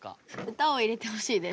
歌を入れてほしいです。